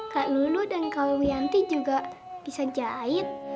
kak lulu dan kak wiyanti juga bisa jahit